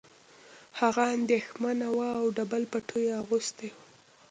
هغه اندېښمنه وه او ډبل پټو یې اغوستی و